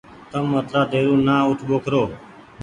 تم اترآ ديرو نآ اوٺ ٻوکرو۔